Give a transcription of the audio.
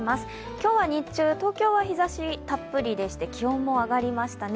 今日は日中、東京は日ざしたっぷりでして気温も上がりましたね。